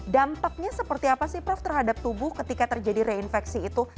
dampaknya seperti apa sih prof terhadap tubuh ketika terjadi reinfeksi itu